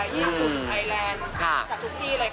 ฝรั่งตกไทยแลนด์กับทุกที่เลยค่ะ